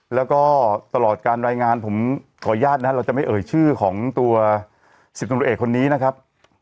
แล้วก็ตลอดการรายงานผมขออนุญาตนะครับเราจะไม่เอ่ยชื่อของตัว๑๐ตำรวจเอกคนนี้นะครับ